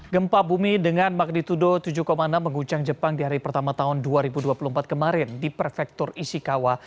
gempa bumi dengan magnitudo tujuh enam mengguncang jepang di hari pertama tahun dua ribu dua puluh empat kemarin di prefektur isikawa